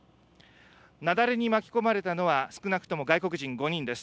雪崩に巻き込まれたのは少なくとも外国人５人です。